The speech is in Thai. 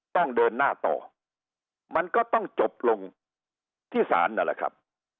ต้องเดินหน้าต่อมันก็ต้องจบลงที่ศาลนั่นแหละครับ